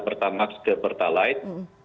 pertamax ke pertalite